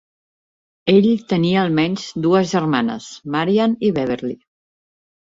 Ell tenia almenys dues germanes, Marian i Beverly.